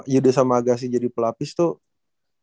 yuda sama agassi jadi pelapis tuh